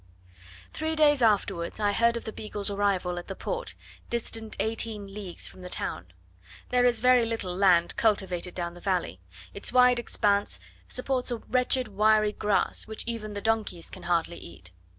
Three days afterwards I heard of the Beagle's arrival at the Port, distant eighteen leagues from the town. There is very little land cultivated down the valley; its wide expanse supports a wretched wiry grass, which even the donkeys can hardly eat.